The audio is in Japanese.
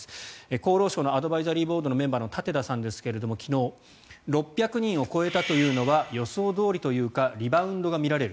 厚労省のアドバイザリーメンバーの舘田さんですが昨日６００人を超えたというのは予想どおりというかリバウンドが見られる。